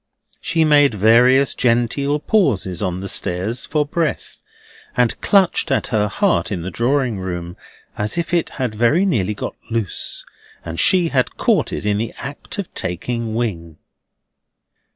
She made various genteel pauses on the stairs for breath, and clutched at her heart in the drawing room as if it had very nearly got loose, and she had caught it in the act of taking wing.